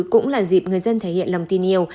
cũng là dịp người dân thể hiện lòng tin yêu